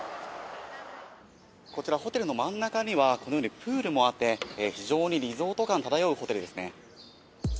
こちらホテルの真ん中には、このようにプールもあって、非常にリゾート感漂うホテルですね。